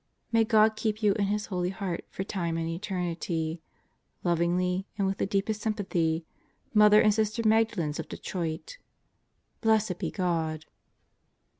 May God keep you in His Holy Heart for Time and Eternity. Lovingly and with deepest sympathy, Mother and Sister Magdalens of Detroit Blessed Be God!